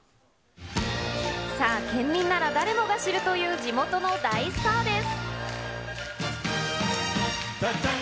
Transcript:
さあ、県民なら誰もが知るという、地元の大スターです。